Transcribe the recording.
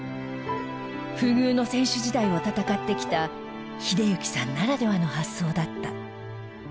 不遇の選手時代を戦ってきた英幸さんならではの発想だった。